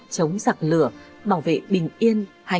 chống giặc lửa bảo vệ bình yên hạnh phúc của nhân dân